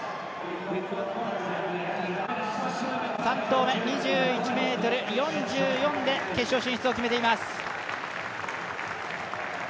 ３投目、２１ｍ４４で決勝進出を決めています。